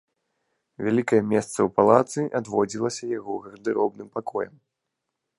Вялікае месца ў палацы адводзілася яго гардэробным пакоям.